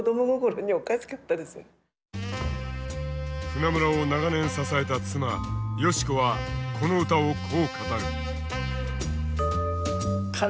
船村を長年支えた妻佳子はこの歌をこう語る。